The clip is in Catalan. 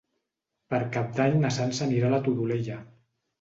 Per Cap d'Any na Sança anirà a la Todolella.